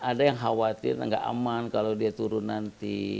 ada yang khawatir nggak aman kalau dia turun nanti